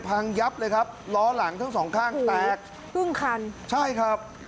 พังยับเลยครับล้อหลังทั้งสองข้างแตกครึ่งคันใช่ครับ